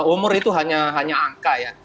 umur itu hanya angka ya